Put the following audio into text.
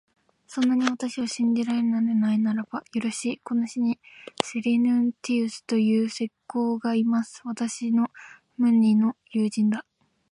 そんなに私を信じられないならば、よろしい、この市にセリヌンティウスという石工がいます。私の無二の友人だ。